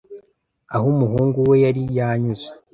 aho umuhungu we yari yanyuze.